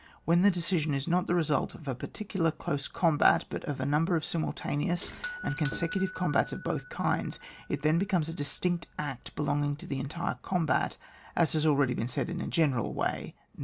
When the decision is not the result of a particular close combat, but of a number of simultaneous and con secutive combats of both kinds, it then becomes a distinct act belonging to the entire combat, as has been already said in a general way, No.